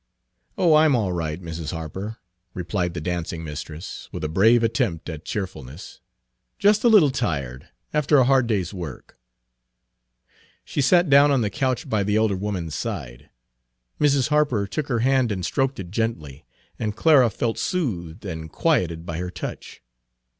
"Oh, I 'm all right, Mrs. Harper," replied the dancing mistress, with a brave attempt at Page 42 cheerfulness, "just a little tired, after a hard day's work." She sat down on the couch by the elder woman's side. Mrs. Harper took her hand and stroked it gently, and Clara felt soothed and quieted by her touch.